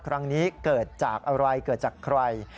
ครั้งนี้เกิดจากอะไรเกิดจากใคร